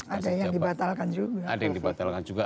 ada yang dibatalkan juga